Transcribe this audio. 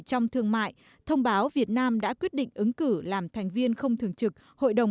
trong thương mại thông báo việt nam đã quyết định ứng cử làm thành viên không thường trực hội đồng